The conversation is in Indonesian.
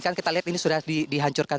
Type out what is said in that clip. kan kita lihat ini sudah dihancurkan